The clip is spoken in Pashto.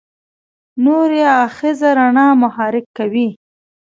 نوري آخذه رڼا محرک کوي.